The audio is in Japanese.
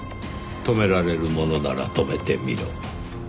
止められるものなら止めてみろ。